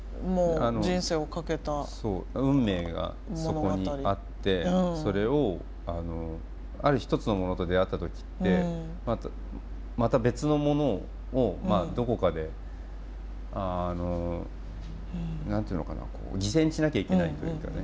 そう運命がそこにあってそれをある一つのものと出会った時ってまた別のものをどこかであの何て言うのかな犠牲にしなきゃいけないというかね。